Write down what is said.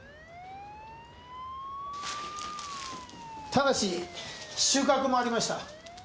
ただし収穫もありました。